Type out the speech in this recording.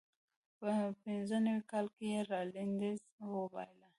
په پینځه نوي کال کې یې راینلنډ وبایله.